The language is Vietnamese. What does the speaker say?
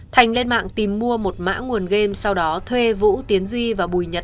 thành lên mạng tìm mua một mã nguồn game sau đó thuê vũ tiến duy và bùi nhật